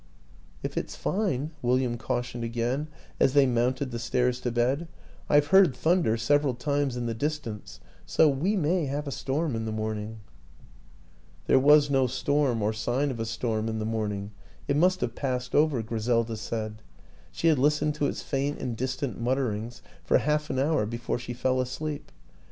" If it's fine," William cautioned again as they mounted the stairs to bed. " I've heard thunder 56 WILLIAM AN ENGLISHMAN several times in the distance, so we may have a storm in the morning." There was no storm, or sign of a storm in the morning. It must have passed over, Griselda said; she had listened to its faint and distant mut terings for half an hour before she fell asleep.